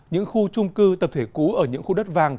những khu trung cư tập thể cũ ở những khu đất vàng